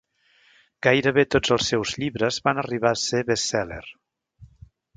Gairebé tots els seus llibres van arribar a ser best-seller.